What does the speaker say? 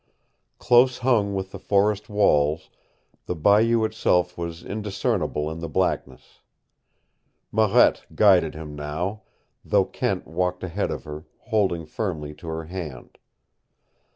Close hung with the forest walls, the bayou itself was indiscernible in the blackness. Marette guided him now, though Kent walked ahead of her, holding firmly to her hand.